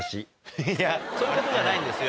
いやそういうことじゃないんですよ。